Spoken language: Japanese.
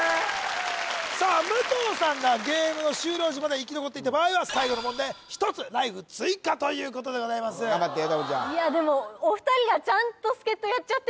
武藤さんがゲームの終了時まで生き残っていた場合は最後の門で１つライフ追加ということでございます頑張ってよ